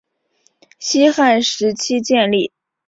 西汉时期建立。